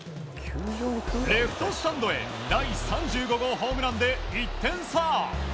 レフトスタンドへ第３５号ホームランで１点差。